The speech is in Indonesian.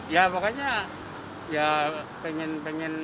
ya pokoknya ya pengen pengen